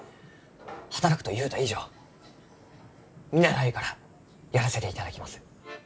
「働く」と言うた以上見習いからやらせていただきます。